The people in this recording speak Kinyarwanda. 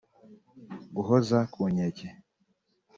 guhoza ku nkeke